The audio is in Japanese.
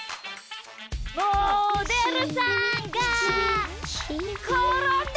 モデルさんがころんだ！